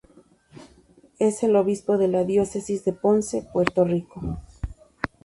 Es el obispo de la Diócesis de Ponce, Puerto Rico.